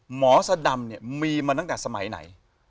สดำเนี่ยมีมาตั้งแต่สมัยไหน